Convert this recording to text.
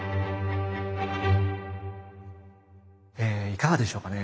いかがでしょうかね？